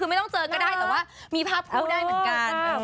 คือไม่ต้องเจอก็ได้แต่ว่ามีภาพคู่ได้เหมือนกัน